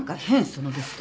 そのベスト。